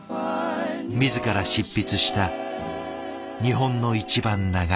自ら執筆した「日本のいちばん長い日」。